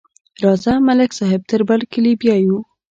راځه، ملک صاحب تر برکلي بیایو.